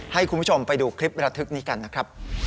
ให้คุณผู้ชมไปดูคลิประทึกนี้กันนะครับ